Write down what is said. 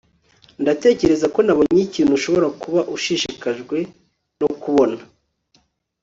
ndatekereza ko nabonye ikintu ushobora kuba ushishikajwe no kubona